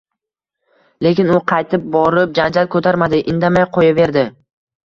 Lekin u qaytib borib janjal koʻtarmadi, indamay qoʻyaverdi